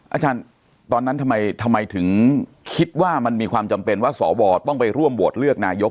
อาจารย์ตอนนั้นทำไมถึงคิดว่ามันมีความจำเป็นว่าสวต้องไปร่วมโหวตเลือกนายก